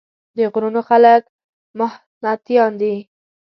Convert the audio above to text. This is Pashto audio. د غرونو خلک محنتيان دي ـ